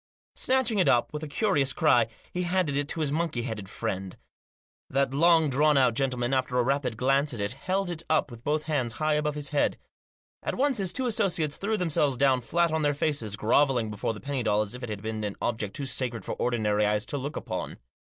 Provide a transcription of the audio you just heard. Snatching it up with a curious cry, he handed it to his monkey headed friend. That long Digitized by 170 THE JOSS. drawn out gentleman, after a rapid glance at it, held it up with both hands high above his head. At once his two associates threw themselves down flat on their faces, grovelling before the penny doll as if it had been an object too sacred for ordinary eyes to look upon.